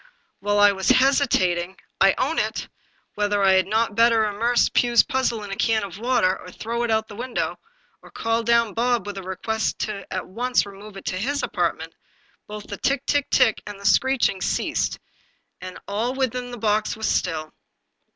While I was hesitating — I own it! — ^whether I had not better immerse Pugh's puzzle in a can of water, or throw it out of the window, or call down Bob with a request to at once remove it to his apartment, both the tick, tick, tick, and the screeching ceased, and all within the box was still.